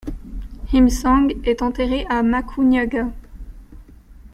Imseng est enterré à Macugnaga.